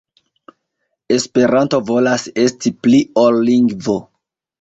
Esperanto volas esti pli ol lingvo.